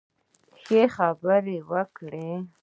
ښه، خبرې وکړئ